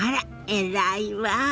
偉いわ。